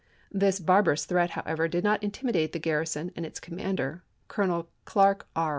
This barbar ous threat, however, did not intimidate the gar rison and its commander, Colonel Clark R.